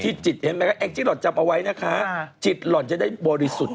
จิตเห็นไหมคะแองจี้หล่อนจำเอาไว้นะคะจิตหล่อนจะได้บริสุทธิ์